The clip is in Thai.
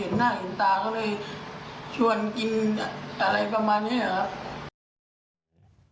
หน้าเห็นตาก็เลยชวนกินอะไรประมาณนี้ครับ